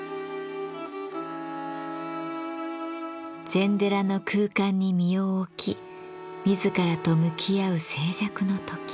禅寺の空間に身を置き自らと向き合う静寂の時。